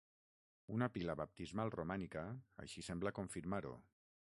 Una pila baptismal romànica així sembla confirmar-ho.